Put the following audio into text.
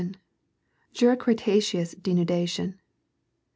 Jiira Cretaceous denudation.